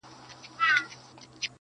هر اندام یې وو له وېري لړزېدلی!.